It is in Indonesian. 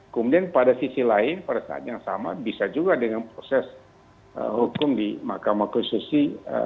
kemudian pada sisi lain pada saat yang sama bisa juga dengan proses hukum di mahkamah konstitusi